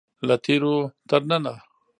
له تیرو تر ننه.